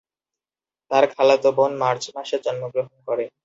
তার খালাতো বোন মার্চ মাসে জন্মগ্রহণ করে।